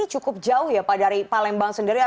cukup jauh ya pak dari palembang sendiri